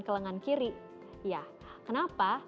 ke lengan kiri ya kenapa